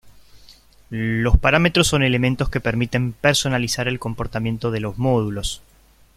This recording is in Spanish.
Los parámetros son elementos que permiten personalizar el comportamiento de los módulos.